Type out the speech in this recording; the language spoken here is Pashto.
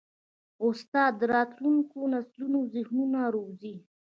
استاد د راتلونکي نسلونو ذهنونه روزي.